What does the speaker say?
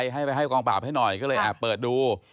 ให้ไปให้กองปราบให้หน่อยก็เลยแอบเปิดดู